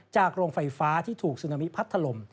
จากโรงไฟฟ้าที่ถูกสุนามิพัดทะลม